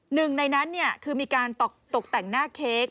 หนึ่งในนั้นคือมีการตกแต่งหน้าเค้ก